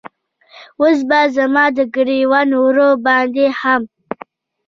اوس به زما د ګریوان وره باندې هم